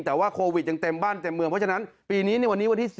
แต่ว่าโควิดยังเต็มบ้านเต็มเมืองเพราะฉะนั้นปีนี้ในวันนี้วันที่๔